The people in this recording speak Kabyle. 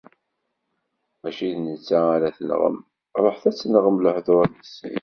Mačči d netta ara t-nɣem, ṛuḥet ad tenɣem lehdur-is.